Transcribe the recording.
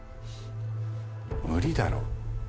無理だろ。